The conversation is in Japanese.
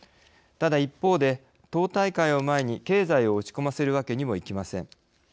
ただ一方で党大会を前に経済を落ち込ませるわけにもいきません。